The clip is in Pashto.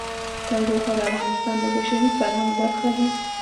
تودوخه د افغانستان د بشري فرهنګ برخه ده.